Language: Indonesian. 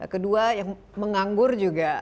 kedua yang menganggur juga